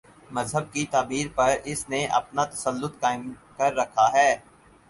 مذہب کی تعبیر پر اس نے اپنا تسلط قائم کر رکھا ہے۔